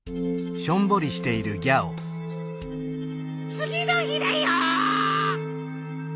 つぎのひだよ。